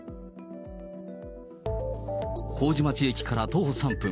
麹町駅から徒歩３分。